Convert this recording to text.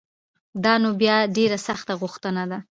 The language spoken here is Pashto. دا نو بیا ډېره سخته غوښتنه ده